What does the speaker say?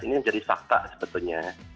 ini menjadi fakta sebetulnya